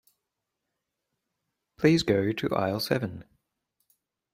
Please go to aisle seven.